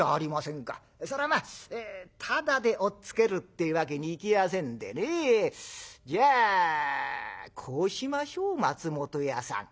それはまぁただで押っつけるってわけにいきやせんでねじゃあこうしましょう松本屋さん。